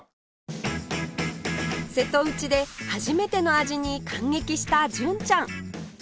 瀬戸内で初めての味に感激した純ちゃん